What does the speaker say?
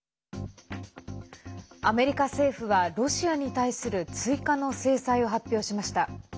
アメリカ政府はロシアに対する追加の制裁を発表しました。